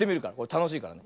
たのしいからね。